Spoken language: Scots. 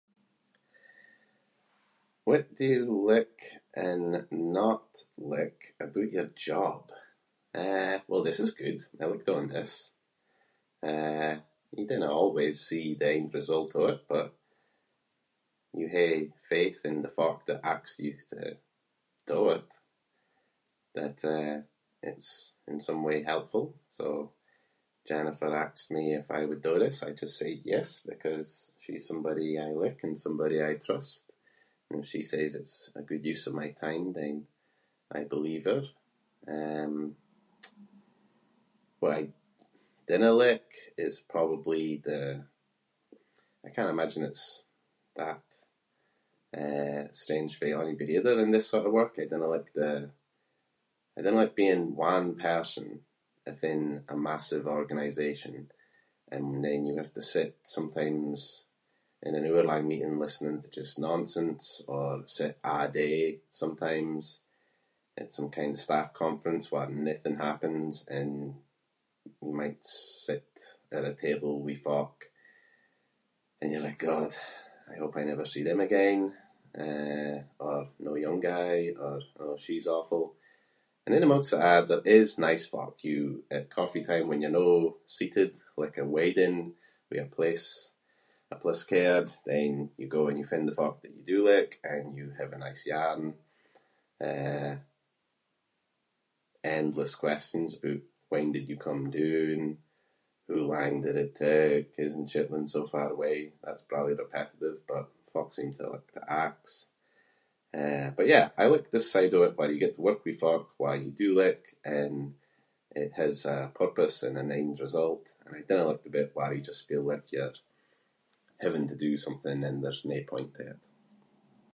What do you like and not like aboot your job? Uh, well this is good. I like doing this. Eh, you dinna always see the end result of it but you hae faith in the folk that ask you to do it that, eh, it’s in some way helpful. So, Jennifer asked me if I would do this. I just said yes because she’s somebody I like and somebody I trust and if she says it’s a good use of my time then I believe her. Um, what I dinna like is probably the- I can’t imagine it’s that, eh, strange for onybody other in this sort of work. I dinna like the- I dinna like being one person athin a massive organisation and then you have to sit sometimes in an hour-lang meeting listening to just nonsense or sit a’ day sometimes. At some kind of staff conference where nothing happens and you might sit at a table with folk and you’re like “God, I hope I never see them again” eh or “no yon guy” or “oh, she’s awful”. And in amongst a’ that there is nice folk you- at coffee time when you’re no seated, like a wedding with your place- a place card then you go and you find the folk that you do like and you have a nice yarn. Eh, endless questions aboot “when did you come doon?”, “how lang did it take?”, “isn’t Shetland so far away?”. That’s probably repetitive but folk seem to like to ask. Eh, but yeah, I like the side of it where you get to work with folk who you do like and it has a purpose and an end result. And I dinna like the bit where you just feel like you’re having to do something and there’s no point to it.